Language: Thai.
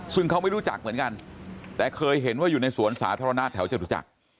ซึ่งเขาไม่รู้จักเหมือนกันแต่เคยเห็นว่าอยู่ในสวนสาธารณะแถวจตุจักร